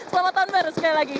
selamat tahun baru sekali lagi